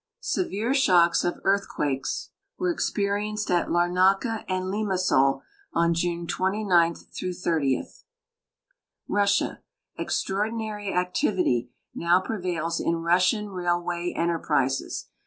Severe shocks of earthquake were experienced at Larnaka and Limasol on June 29 30. Russia. Extraordinary activity now prevails in Russian railway enter prises.